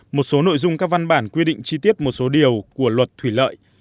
một số nội dung các văn bản quy định chi tiết một số điều của luật thủy lợi